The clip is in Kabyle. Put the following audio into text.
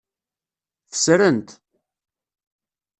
Fesren-t.